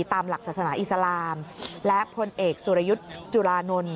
ตามหลักศาสนาอิสลามและพลเอกสุรยุทธ์จุลานนท์